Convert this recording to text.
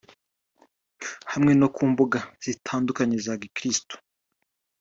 hamwe no ku mbuga zitandukanye za gikirisitu